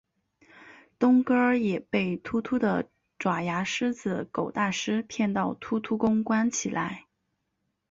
冬哥儿也被秃秃的爪牙狮子狗大狮骗到秃秃宫关起来。